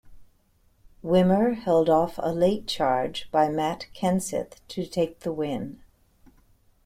Wimmer held off a late charge by Matt Kenseth to take the win.